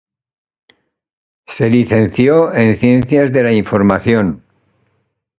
Se licenció en Ciencias de la Información.